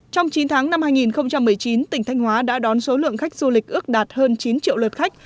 trong chín tháng năm hai nghìn một mươi chín tỉnh thanh hóa đã đón số lượng khách du lịch ước đạt hơn chín triệu lượt khách